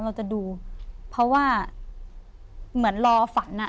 เราจะดูเพราะว่าเหมือนรอฝันอ่ะ